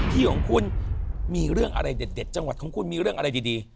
ที่ของคุณมีเรื่องอะไรเด็ดจังหวัดของคุณมีเรื่องอะไรดี